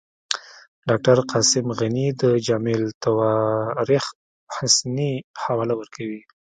ډاکټر قاسم غني د جامع التواریخ حسني حواله ورکوي.